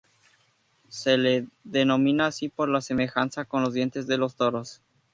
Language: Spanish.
Se le denomina así por la semejanza con los dientes de los toros.